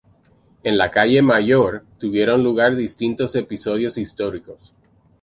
En la calle Mayor tuvieron lugar distintos episodios históricos.